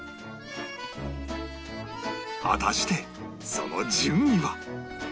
果たしてその順位は？